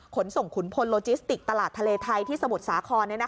ขนส่งขุนพลโลจิสติกตลาดทะเลไทยที่สมุทรสาคร